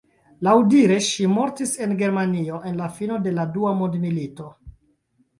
Laŭdire, ŝi mortis en Germanio en la fino de Dua Mondmilito.